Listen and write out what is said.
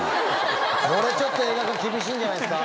これ、ちょっと映画化厳しいんじゃないですか。